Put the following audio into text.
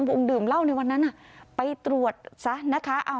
วงดื่มเหล้าในวันนั้นไปตรวจซะนะคะ